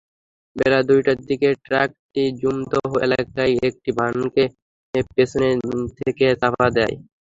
বেলা দুইটার দিকে ট্রাকটি জুমদহ এলাকায় একটি ভ্যানকে পেছন থেকে চাপা দেয়।